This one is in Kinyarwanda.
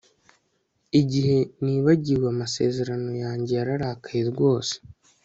Igihe nibagiwe amasezerano yanjye yararakaye rwose